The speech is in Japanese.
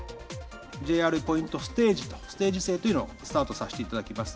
ＪＲＥポイントステージと、ステージ制というのをスタートさせていただきます。